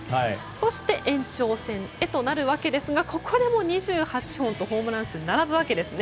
そして、延長戦となるわけですがここで２８本とホームラン数が並ぶわけです。